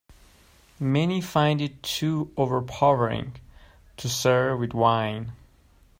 Many find it too overpowering to serve with wine.